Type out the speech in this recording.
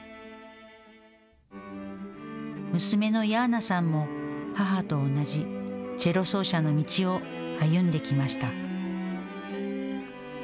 娘のヤーナさんも、母と同じチェロ奏者の道を歩んできました。